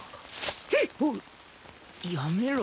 やめろ。